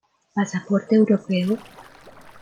Pasaporte Europeo.